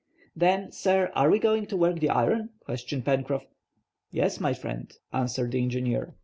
"Then, sir, are we going to work the iron?" questioned Pencroff. "Yes, my friend," answered the engineer.